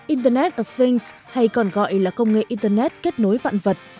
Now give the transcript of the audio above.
internet of things hay còn gọi là công nghệ internet kết nối vạn vật